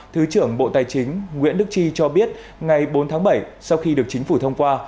thứ trưởng bộ tài chính nguyễn đức chi cho biết ngày bốn tháng bảy sau khi được chính phủ thông qua